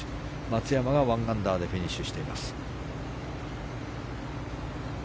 松山が１アンダーでフィニッシュしています。